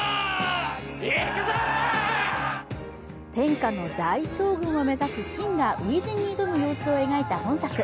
天下の大将軍を目指す信が初陣に臨む様子を描いた本作。